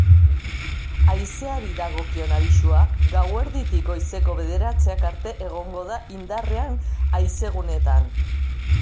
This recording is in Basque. Haizeari dagokion abisua gauerditik goizeko bederatziak arte egongo da indarrean haizeguneetan.